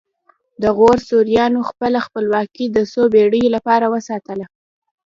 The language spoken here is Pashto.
د غور سوریانو خپله خپلواکي د څو پیړیو لپاره وساتله